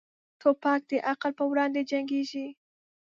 توپک د عقل پر وړاندې جنګيږي.